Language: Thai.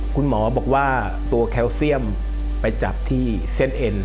คุณหมอบอกว่าตัวแคลเซียมไปจับที่เส้นเอ็น